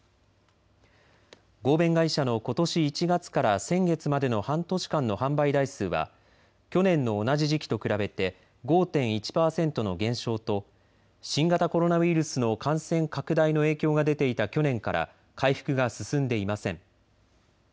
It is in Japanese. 合弁会社のことし１月から先月までの半年間の販売台数は去年の同じ時期と比べて５．１％の減少と新型コロナウイルスの感染拡大の影響が出ていた去年から回復が進んでいません。